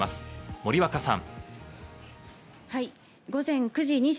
森若さん。